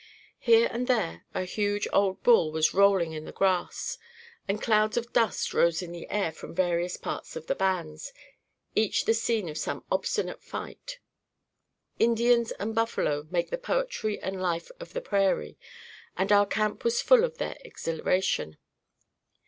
Here and there a huge old bull was rolling in the grass, and clouds of dust rose in the air from various parts of the bands, each the scene of some obstinate fight. Indians and buffalo make the poetry and life of the prairie, and our camp was full of their exhilaration.